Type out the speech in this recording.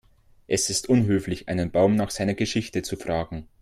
Es ist unhöflich, einen Baum nach seiner Geschichte zu fragen.